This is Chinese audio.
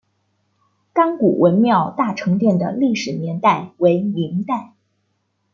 甘谷文庙大成殿的历史年代为明代。